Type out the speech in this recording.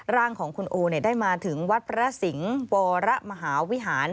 ร่างของคุณโอได้มาถึงวัดพระสิงห์วรมหาวิหาร